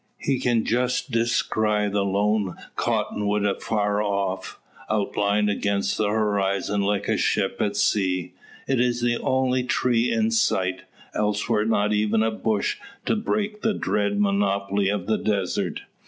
He can just descry the lone cottonwood afar off, outlined against the horizon like a ship at sea. It is the only tree in sight; elsewhere not even a bush to break the drear monotony of the desert.